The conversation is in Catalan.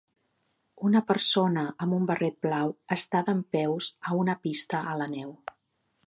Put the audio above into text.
Una persona amb un barret blau està dempeus a una pista a la neu.